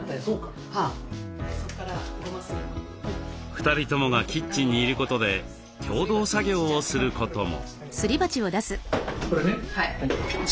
２人ともがキッチンにいることで共同作業をすることも。